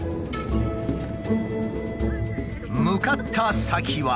向かった先は。